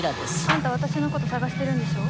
あんた私のこと捜してるんでしょ？